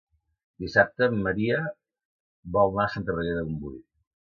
Dissabte en Maria vol anar a Santa Margarida de Montbui.